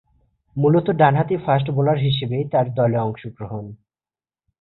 মূলতঃ ডানহাতি fast bowler হিসেবেই তার দলে অংশগ্রহণ।